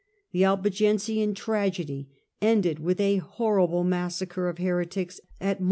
The Albi gensian tragedy ended with a horrible massacre of heretics at Mt.